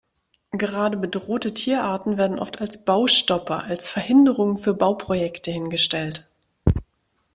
Gerade bedrohte Tierarten werden oft als Baustopper, als Verhinderungen für Bauprojekte hingestellt.